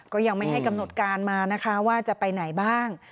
ก็ยังไม่ให้กำหนดการมานะคะว่าจะไปไหนบ้าง